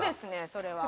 それは。